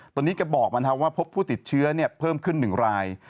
ตอนนี้แกบอกนะครับว่าพบผู้ติดเชื้อเพิ่มขึ้น๑ราย